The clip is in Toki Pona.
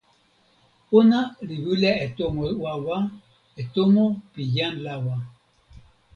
ona li wile e tomo wawa, e tomo pi jan lawa.